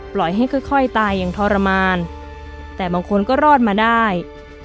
ปล่อยให้ค่อยตายอย่างทรมานแต่บางคนก็รอดมาได้